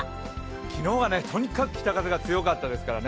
昨日はとにかく北風が強かったですからね。